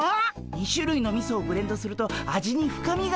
２しゅるいのみそをブレンドすると味に深みが出るんです。